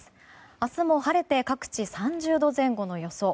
明日も晴れて各地３０度前後の予想。